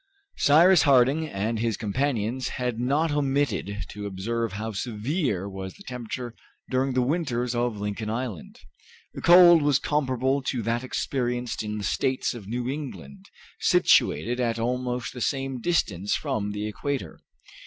Cyrus Harding and his companions had not omitted to observe how severe was the temperature during the winters of Lincoln Island. The cold was comparable to that experienced in the States of New England, situated at almost the same distance from the equator.